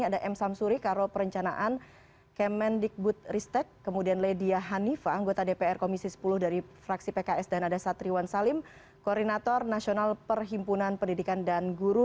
ada m samsuri karo perencanaan kemendikbud ristek kemudian ledia hanifa anggota dpr komisi sepuluh dari fraksi pks dan ada satriwan salim koordinator nasional perhimpunan pendidikan dan guru